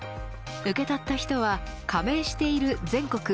受け取った人は加盟している全国